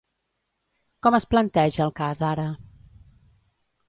Com es planteja el cas ara?